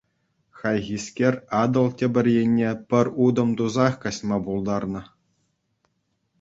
Хайхискер Атӑл тепӗр енне пӗр утӑм тусах каҫма пултарнӑ.